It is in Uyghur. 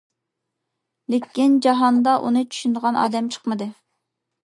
لېكىن جاھاندا ئۇنى چۈشىنىدىغان ئادەم چىقمىدى.